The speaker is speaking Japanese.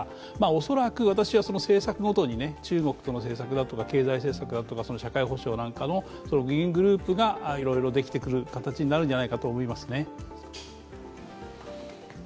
恐らく私は政策ごとに、中国との政策だとか経済政策だとか、社会保障なんかの議員グループがいろいろできてくる形になるんじゃないかと思います。